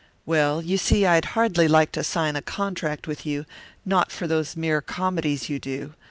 "Well, you see I'd hardly like to sign a contract with you, not for those mere comedies you do.